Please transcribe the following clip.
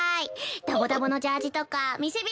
ダボダボのジャージとか見せびらかすの！